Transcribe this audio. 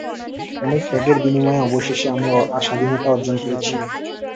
অনেক ত্যাগের বিনিময়ে অবশেষে আমরা স্বাধীনতা অর্জন করেছি।